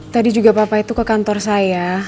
tadi juga papa itu ke kantor saya